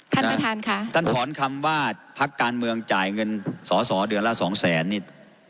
ท่านประธานค่ะท่านถอนคำว่าพักการเมืองจ่ายเงินสอสอเดือนละสองแสนนี่